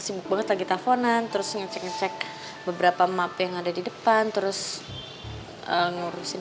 sibuk banget lagi tafonan terus ngecek ngecek beberapa map yang ada di depan terus ngurusin